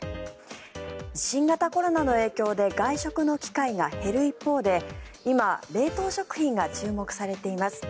新型コロナの影響で外食の機会が減る一方で今、冷凍食品が注目されています。